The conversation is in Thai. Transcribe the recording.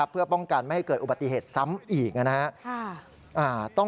เพื่อป้องกันไม่ให้เกิดอุบัติเหตุซ้ำอีกนะครับ